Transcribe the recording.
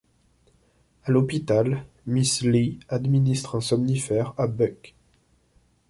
À l’hôpital, miss Lee administre un somnifère à Buck.